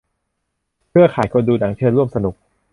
"เครือข่ายคนดูหนัง" เชิญร่วมสนุก